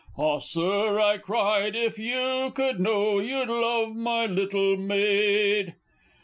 "Ah, Sir!" I cried, "if you could know, you'd love my little maid!"